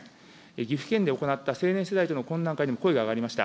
岐阜県で行った青年世代との懇談会でも声が上がりました。